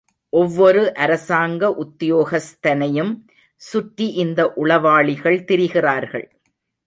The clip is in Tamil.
ஒவ்வொரு அரசாங்க உத்தியோகஸ்தனையும் சுற்றி இந்த உளவாளிகள் திரிகிறார்கள்.